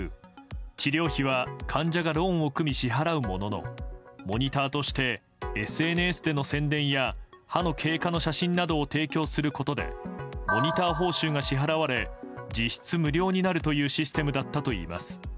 治療費は患者がローンを組み、支払うもののモニターとしてＳＮＳでの宣伝や歯の経過の写真などを提供することでモニター報酬が支払われ実質無料になるシステムだったといいます。